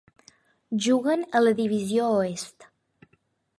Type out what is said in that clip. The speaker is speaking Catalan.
Juguen a la divisió Oest.